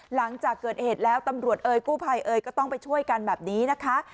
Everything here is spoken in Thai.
หลังจากเกิดเหตุแล้วตำรวจเอ่ยกู้ภัยเอ่ยก็ต้องไปช่วยกันแบบนี้นะคะ